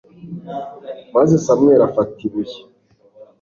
maze samweli afata ibuye